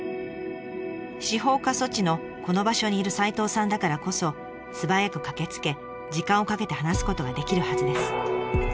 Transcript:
司法過疎地のこの場所にいる齋藤さんだからこそ素早く駆けつけ時間をかけて話すことができるはずです。